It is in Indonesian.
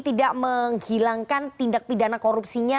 tidak menghilangkan tindak pidana korupsinya